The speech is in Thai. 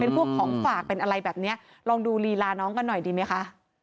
พวกของฝากเป็นอะไรแบบนี้ลองดูลีลาน้องกันหน่อยดีไหมคะ